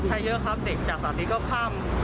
ใช้เยอะครับเด็กจากสถานีก็ข้าม